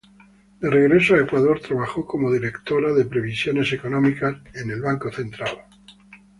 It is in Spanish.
De regreso en Ecuador trabajó como directora de previsiones económicas en el Banco Central.